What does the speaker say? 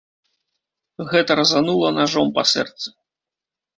Гэта разанула нажом па сэрцы.